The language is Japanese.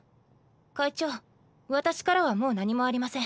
会長私からはもう何もありません。